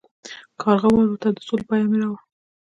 کارغه والوت او د سولې پیام یې راوړ.